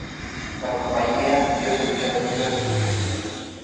La compañía dio servicio a Twitter en sus inicios.